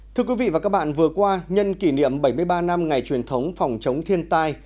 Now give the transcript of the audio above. thưa quý vị và các bạn vừa qua nhân kỷ niệm bảy mươi ba năm ngày truyền thống phòng chống thiên tai